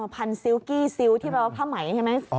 พันศิลกี้ซิลที่เราเข้าใหม่ใช่ไหม